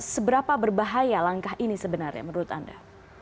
seberapa berbahaya langkah ini sebenarnya menurut anda